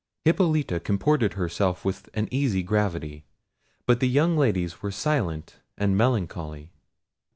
Hippolita comported herself with an easy gravity; but the young ladies were silent and melancholy.